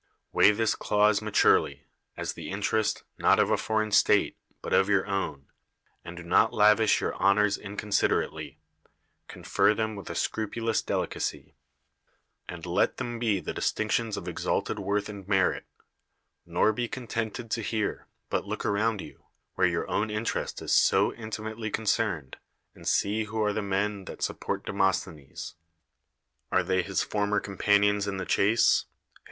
Weigh this clause maturely, as the interest, not of a foreign state, but of your own, and do not lavish your honors inconsiderately : confer them with a scru pulous delicacy ; and let them be the distinctions of exalted worth and merit: nor be contented to hear, but look around you, where your own inter est is so intimately concerned, and see who are the men that support Demosthenes. Are they his former companions in the chase, his a.